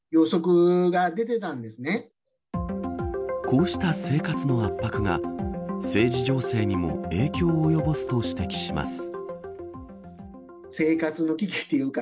こうした生活の圧迫が政治情勢にも影響を及ぼすと指摘します。